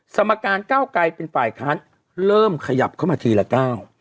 สมการเก้าไกรเป็นฝ่ายค้านเริ่มขยับเข้ามาทีละก้าว